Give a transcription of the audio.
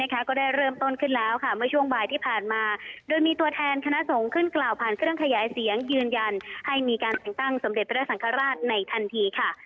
ก็ได้เริ่มต้นขึ้นแล้วค่ะเมื่อช่วงบ่ายที่ผ่านมาโดยมีตัวแทนคณะสงฆ์ขึ้นกล่าวผ่านเครื่องขยายเสียงยืนยันให้มีการแต่งตั้งสมเด็จพระสังฆราชในทันทีค่ะ